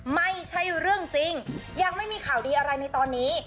ไม่ใช่เรื่องจริงยังไม่มีข่าวดีอะไรในตอนนี้